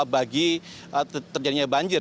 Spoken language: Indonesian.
bagi terjadinya banjir